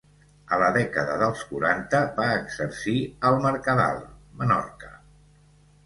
A la dècada dels quaranta va exercir al Mercadal, Menorca.